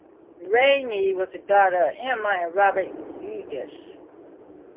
Reaney was the daughter of Emma and Robert Edis.